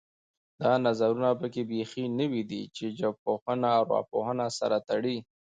دا نظرونه پکې بیخي نوي دي چې ژبپوهنه او ارواپوهنه سره تړي